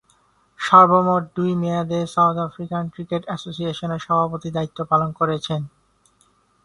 সর্বমোট দুই মেয়াদে সাউথ আফ্রিকান ক্রিকেট অ্যাসোসিয়েশনের সভাপতির দায়িত্ব পালন করেছেন।